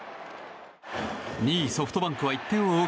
２位、ソフトバンクは１点を追う